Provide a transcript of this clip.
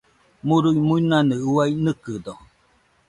Murui-muinanɨ uai nɨkɨdo.